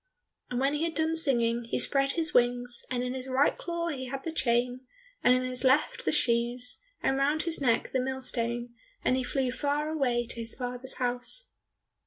And when he had done singing, he spread his wings, and in his right claw he had the chain, and in his left the shoes, and round his neck the millstone, and he flew far away to his father's house.